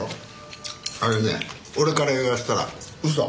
あれね俺から言わせたら嘘！